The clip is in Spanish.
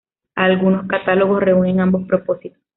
Algunos catálogos reúnen ambos propósitos.